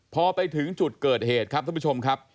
พอไปถึงจุดเกิดเหตุครับท่านผู้ชมครับ